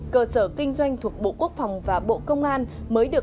cơ sở kinh doanh thuộc bộ quốc phòng và bộ công an mới được